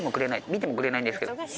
見てもくれないんですけど。